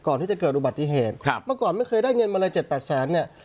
ก่อนที่จะเกิดอุบัติเหตุครับเมื่อก่อนไม่เคยได้เงินมาเลยเจ็ดแปดแสนเนี่ย